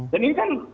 dan ini kan